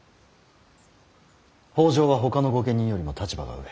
北条はほかの御家人よりも立場が上。